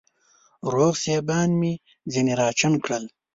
روغ سېبان مې ځيني راچڼ کړه